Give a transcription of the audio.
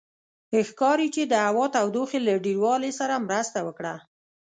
ښکاري چې د هوا تودوخې له ډېروالي سره مرسته وکړه.